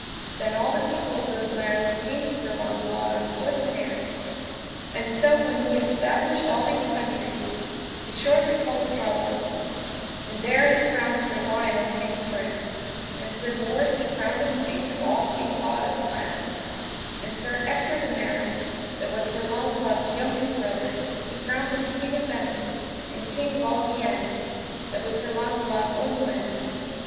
Then all the people of those lands came to Sir Launcelot on foot and hands. And so when he had stablished all these countries, he shortly called a parliament; and there he crowned Sir Lionel, King of France; and Sir Bors [he] crowned him king of all King Claudas' lands; and Sir Ector de Maris, that was Sir Launcelot's youngest brother, he crowned him King of Benwick, and king of all Guienne, that was Sir Launcelot's own land.